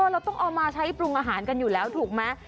เราต้องเอามาใช้ปรุงอาหารกันอยู่แล้วถูกไหม